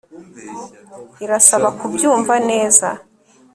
irasaba kubyumva neza